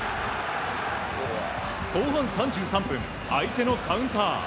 後半３３分、相手のカウンター。